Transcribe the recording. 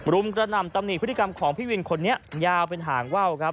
รุมกระหน่ำตำหนิพฤติกรรมของพี่วินคนนี้ยาวเป็นหางว่าวครับ